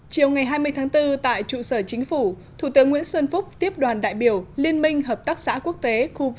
chiều ngày hai mươi tháng bốn tại trụ sở chính phủ thủ tướng nguyễn xuân phúc tiếp đoàn đại biểu liên minh hợp tác xã quốc tế